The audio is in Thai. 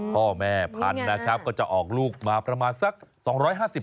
พ่อแม่พันธุ์นะครับก็จะออกลูกมาประมาณสัก๒๕๐บาท